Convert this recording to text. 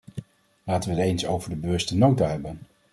Laten we het eens over de bewuste nota hebben.